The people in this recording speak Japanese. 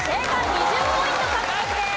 ２０ポイント獲得です。